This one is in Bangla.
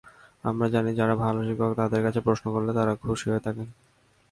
আমরা জানি, যাঁরা ভালো শিক্ষক, তাঁদের কাছে প্রশ্ন করলে তাঁরা খুশি হয়ে থাকেন।